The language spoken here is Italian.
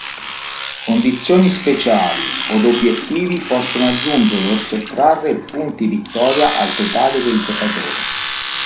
Condizioni speciali od "obiettivi" possono aggiungere o sottrarre punti vittoria al totale del giocatore.